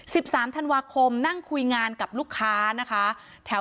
สามธันวาคมนั่งคุยงานกับลูกค้านะคะแถว